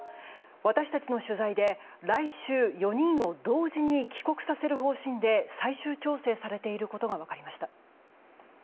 私たちの取材で来週、４人を同時に帰国させる方針で最終調整されていることが分かりました。